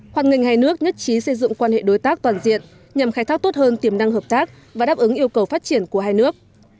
hoàn nghênh hai nước nhất trí xây dựng quan hệ đối tác toàn diện nhằm khai thác tốt hơn tiềm năng hợp tác và đáp ứng yêu cầu phát triển của hai nước